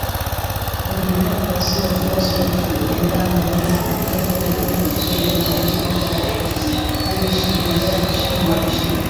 Tunaendelea kuwasihi wafuasi wetu kujiandikisha kwa wingi kupiga kura ili tufikie lengo letu mwaka wa elfu mbili ishirini na tatu ushindi wa kishindo.”